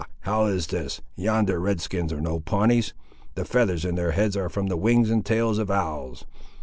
how is this! yonder Red skins are no Pawnees! The feathers in their heads are from the wings and tails of owls.